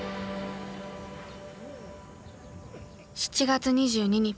７月２２日。